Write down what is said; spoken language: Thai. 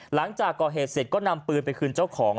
หลังจากก่อเหตุเสร็จก็นำปืนไปคืนเจ้าของ